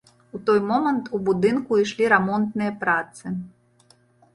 У той момант у будынку ішлі рамонтныя працы.